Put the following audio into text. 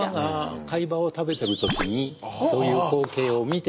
馬が飼い葉を食べている時にそういう光景を見て。